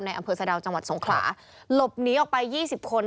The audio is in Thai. อำเภอสะดาวจังหวัดสงขลาหลบหนีออกไป๒๐คน